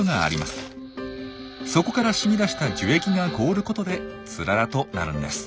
そこから染み出した樹液が凍ることでツララとなるんです。